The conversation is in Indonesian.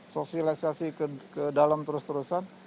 sosialisasi ke dalam terus terusan